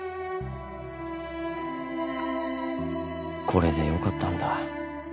これでよかったんだ。